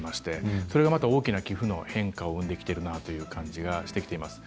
それが大きな寄付の変化を生んできているなという感じがします。